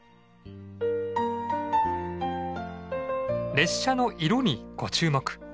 列車の色にご注目！